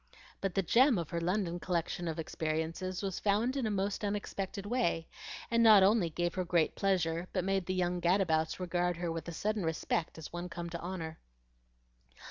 But the gem of her London collection of experiences was found in a most unexpected way, and not only gave her great pleasure, but made the young gadabouts regard her with sudden respect as one come to honor.